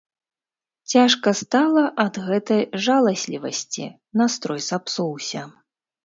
Цяжка стала ад гэтай жаласлівасці, настрой сапсуўся.